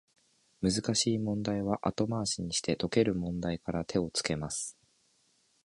難しい問題は後回しにして、解ける問題から手をつけます